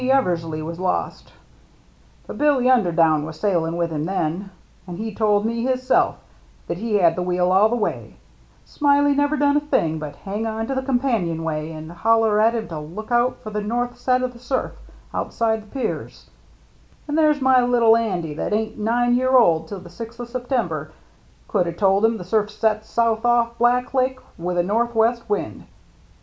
Eversley was lost; but Billy Under down was sailin' with him then, and he told me hisself that he had the wheel all the way — Smiley never done a thing but hang on to the companionway and holler at him to look out for the north set o' the surf outside the piers; and there's my little Andy that ain't nine year old till the sixth o' September, could ha' told him the surf sets south off Black Lake, with a northwest wind.